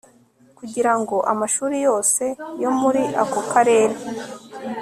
kugira ngo amashuri yose yo muri ako karere